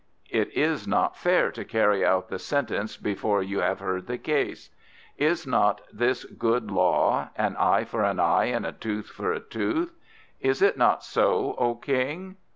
It is not fair to carry out the sentence before you have heard the case. Is not this good law, an eye for an eye, and a tooth for a tooth? Is it not so, O King?"